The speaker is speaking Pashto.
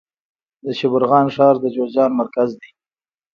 د شبرغان ښار د جوزجان مرکز دی